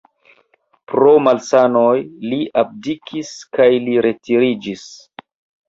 Pro malsanoj li abdikis kaj li retiriĝis.